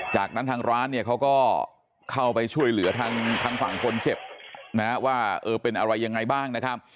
จากนั้นทางร้านเนี่ยเขาก็เข้าไปช่วยเหลือทางฝั่งคนเจ็บนะว่าเออเป็นอะไรยังไงบ้างนะครับ